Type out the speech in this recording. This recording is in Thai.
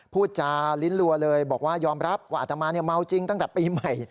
พูดจาลิ้นลัวเลยบอกว่ายอมรับว่าอัตมาเมาจริงตั้งแต่ปีใหม่